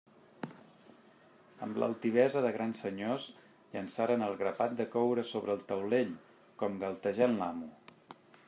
Amb l'altivesa de grans senyors, llançaren el grapat de coure sobre el taulell, com galtejant l'amo.